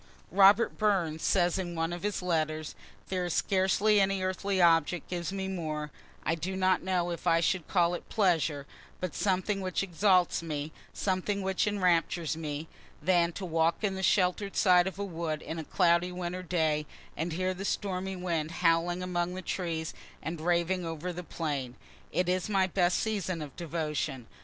(Robert Burns says in one of his letters: "There is scarcely any earthly object gives me more I do not know if I should call it pleasure but something which exalts me something which enraptures me than to walk in the shelter' d side of a wood in a cloudy winter day, and hear the stormy wind howling among the trees, and raving over the plain. It is my best season of devotion."